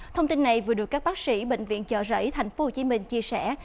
thông tin này vừa được các bác sĩ bệnh viện chợ rẫy thành phố hồ chí minh chia sẻ